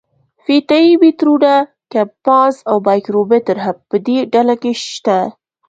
فیته یي مترونه، کمپاس او مایکرومتر هم په دې ډله کې شته.